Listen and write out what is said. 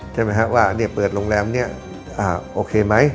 ใช่ไหมฮะว่าเปิดโรงแรมนี้โอเคไหม